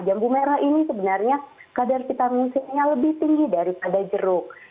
jambu merah ini sebenarnya kadar vitamin c nya lebih tinggi daripada jeruk